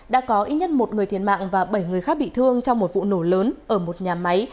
đã có ít nhất một người thiệt mạng và bảy người khác bị thương trong một vụ nổ lớn ở một nhà máy